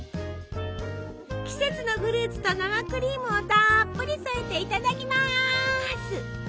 季節のフルーツと生クリームをたっぷり添えていただきます！